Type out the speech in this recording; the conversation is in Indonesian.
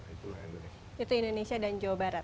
itu indonesia dan jawa barat